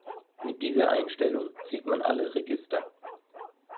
Mit dieser Einstellung zieht man alle Register.